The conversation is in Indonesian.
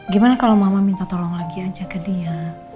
gimana kalau mama minta tolong lagi aja ke dia